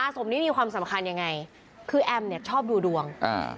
สมนี้มีความสำคัญยังไงคือแอมเนี่ยชอบดูดวงอ่า